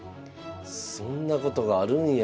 そんなことがあるんや。